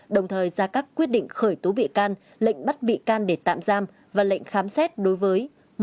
đồng thời ra các quyết định khởi tố bị can lệnh bắt bị can để tạm giam và lệnh khám xét đối với